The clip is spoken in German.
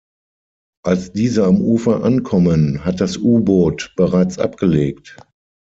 Als diese am Ufer ankommen, hat das U-Boot bereits abgelegt.